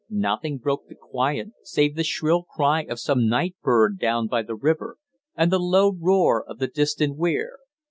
Nothing broke the quiet save the shrill cry of some night bird down by the river, and the low roar of the distant weir.